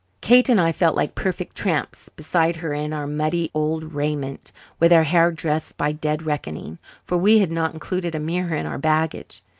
Kate and I felt like perfect tramps beside her in our muddy old raiment, with our hair dressed by dead reckoning for we had not included a mirror in our baggage.